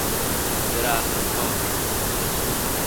درختکار